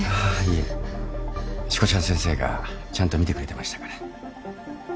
しこちゃん先生がちゃんとみてくれてましたから。